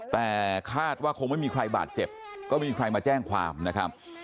แต่คาดว่าคงไม่มีใครบาดเจ็บก็ไม่มีใครมาแจ้งความนะครับ